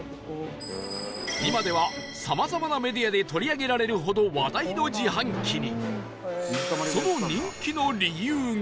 今ではさまざまなメディアで取り上げられるほど話題の自販機に